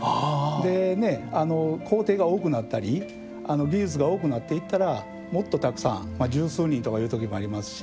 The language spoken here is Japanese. でね工程が多くなったり技術が多くなっていったらもっとたくさん十数人とかいう時もありますし。